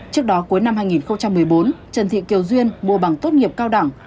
trước đó cuối năm hai nghìn một mươi bốn trần thị kiều duyên mua bằng tốt nghiệp cao đẳng